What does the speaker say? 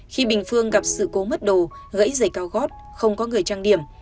khi bình phương gặp sự cố mất đồ gãy dày cao gót không có người trang điểm